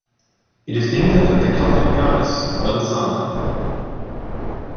It is named after the Celtic goddess Belisana.